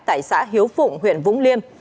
tại xã hiếu phụng huyện vũng liêm